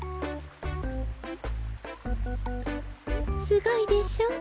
すごいでしょ。